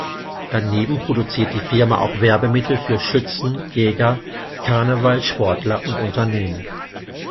Daneben produziert die Firma auch Werbemittel für Schützen, Jäger, Karneval, Sportler und Unternehmen.